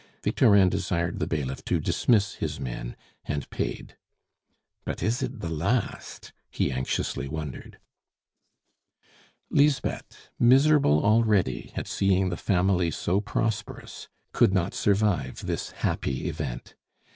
Victorin desired the bailiff to dismiss his men, and paid. "But is it the last?" he anxiously wondered. Lisbeth, miserable already at seeing the family so prosperous, could not survive this happy event.